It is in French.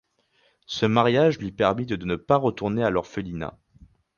Ce mariage lui permit de ne pas retourner à l'orphelinat.